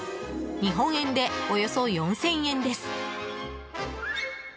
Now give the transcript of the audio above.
日本円でおよそ４０００円です。